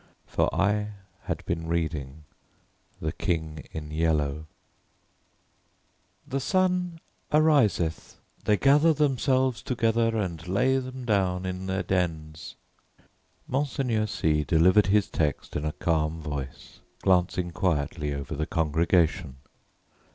For I had been reading The King in Yellow. "The sun ariseth; they gather themselves together and lay them down in their dens." Monseigneur C delivered his text in a calm voice, glancing quietly over the congregation.